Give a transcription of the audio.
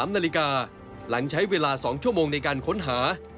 ๓นาฬิกาหลังใช้เวลา๒ชั่วโมงในการค้นหา